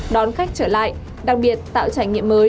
đón khách trở lại đặc biệt tạo trải nghiệm mới